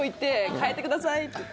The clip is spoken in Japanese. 替えてください！って言って。